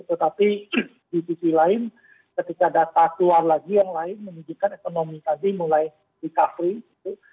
tetapi di sisi lain ketika data keluar lagi yang lain menunjukkan ekonomi tadi mulai recovery gitu